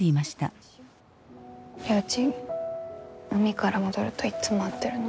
りょーちん海から戻るといっつも会ってるの？